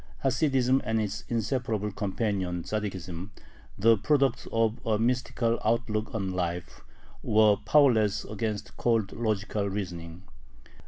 Hasidism and its inseparable companion Tzaddikism, the products of a mystical outlook on life, were powerless against cold logical reasoning.